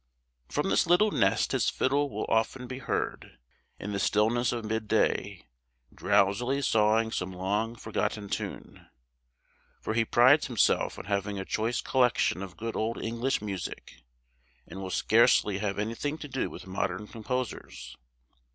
From this little nest his fiddle will often be heard, in the stillness of mid day, drowsily sawing some long forgotten tune; for he prides himself on having a choice collection of good old English music, and will scarcely have anything to do with modern composers.